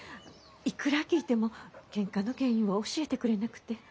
いくら聞いてもケンカの原因は教えてくれなくて。